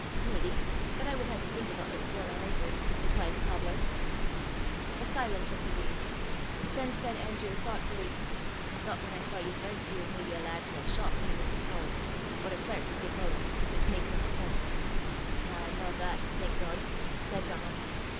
"Maybe; but I wud hae to think aboot it afore I answert," replied the cobbler. A silence intervened. Then said Andrew, thoughtfully, "I thoucht, whan I saw ye first, ye was maybe a lad frae a shop i' the muckle toon or a clerk, as they ca' them, 'at sits makin' up accoonts." "Na, I'm no that, I thank God," said Donal.